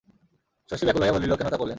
শশী ব্যাকুল হইয়া বলিল, কেন তা করলেন?